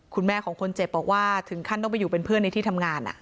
คุณแม่ของคนเจ็บบอกว่าถึงขั้นต้องไปอยู่เป็นเพื่อนในที่ทำงาน